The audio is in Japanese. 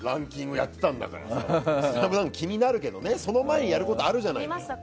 気になるけどその前にやることあるじゃない。